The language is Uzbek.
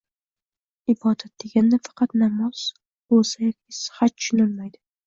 Ibodat, deganda faqat namoz, ro‘za yoki haj tushunilmaydi.